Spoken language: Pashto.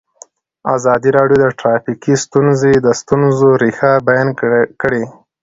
ازادي راډیو د ټرافیکي ستونزې د ستونزو رېښه بیان کړې.